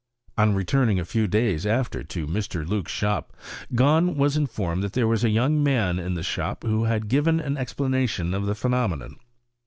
On returning a few days after to Mr. Loock's sliop, Gahn was iii fonned that there was a young man in the shop who had given an explanation of the phenomenon.